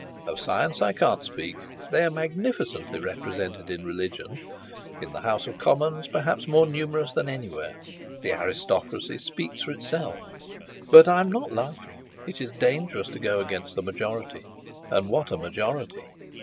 Of science I can't speak; they are magnificently represented in religion; in the House of Commons perhaps more numerous than anywhere; the aristocracy speaks for itself. But I'm not laughing. It is dangerous to go against the majority and what a majority!"